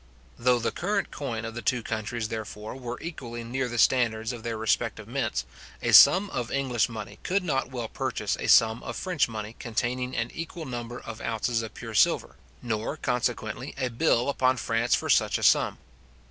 Though the current coin of the two countries, therefore, were equally near the standards of their respective mints, a sum of English money could not well purchase a sum of French money containing an equal number of ounces of pure silver, nor, consequently, a bill upon France for such a sum.